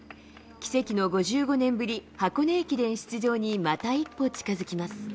奇跡の５５年ぶり箱根駅伝出場にまた一歩近づきます。